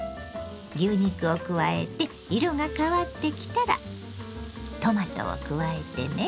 牛肉を加えて色が変わってきたらトマトを加えてね。